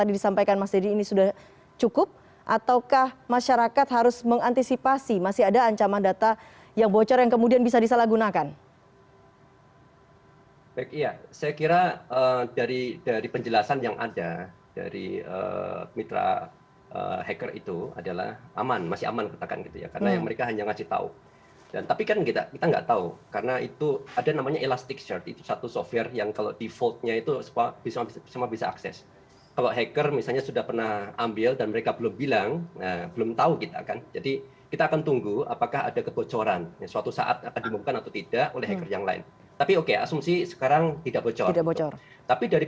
dan undang undang yang berkaitan ini adalah dengan undang undang perlindungan data pribadi